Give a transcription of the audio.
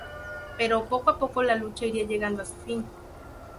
Pero, poco a poco, la lucha iría llegando a su fin.